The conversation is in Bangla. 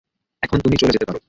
এখন তুমি চলে যেতে পারো।